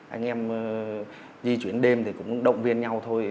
anh em di chuyển đêm thì cũng động viên nhau thôi